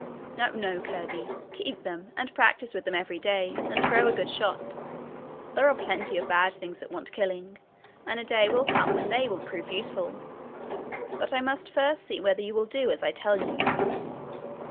'No, no, Curdie. Keep them, and practice with them every day, and grow a good shot. There are plenty of bad things that want killing, and a day will come when they will prove useful. But I must see first whether you will do as I tell you.'